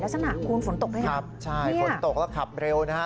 ลักษณะคุณฝนตกด้วยนะครับใช่ฝนตกแล้วขับเร็วนะฮะ